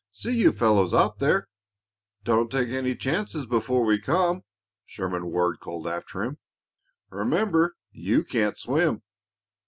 "See you fellows out there." "Don't take any chances before we come," Sherman Ward called after him. "Remember you can't swim."